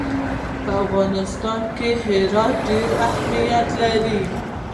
په افغانستان کې هرات ډېر اهمیت لري.